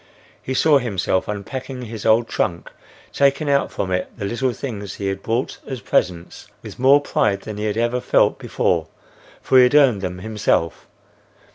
He saw himself unpacking his old trunk, taking out from it the little things he had brought as presents, with more pride than he had ever felt before, for he had earned them himself.